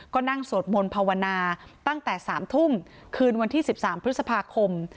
ก็นั่งสวดมนต์ภาวนาตั้งแต่๓ทุ่มคืนวันที่๑๓พฤษภาคม